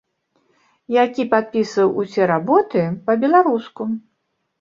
Які падпісваў усе работы па-беларуску.